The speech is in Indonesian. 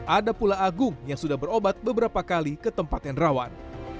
ada pula agung yang sudah berobat beberapa kali ke tempat yang rawan